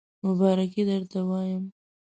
مبارکی درته وایم